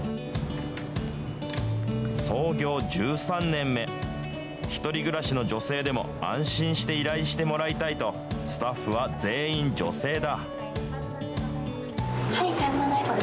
創業１３年目、１人暮らしの女性でも安心して依頼してもらいたいと、スタッフは全員女性だ。